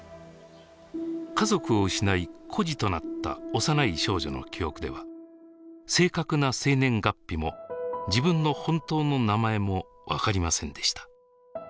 家族を失い孤児となった幼い少女の記憶では正確な生年月日も自分の本当の名前も分かりませんでした。